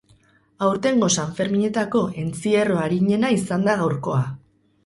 Aurtengo sanferminetako entzierro arinena izan da gaurkoa.